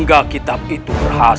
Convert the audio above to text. bila kita merging kembali ke dalamnya